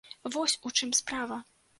Вось у чым справа!